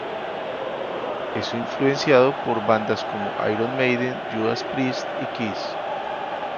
Es influenciado por bandas como Iron Maiden, Judas Priest y Kiss.